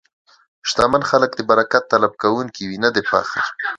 شتمن خلک د برکت طلب کوونکي وي، نه د فخر.